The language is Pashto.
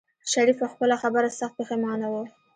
شريف په خپله خبره سخت پښېمانه و.